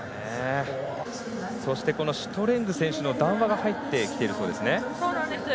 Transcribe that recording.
そしてシュトレング選手の談話が入ってきているそうですね。